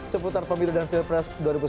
seputar pemilu dan pilpres dua ribu sembilan belas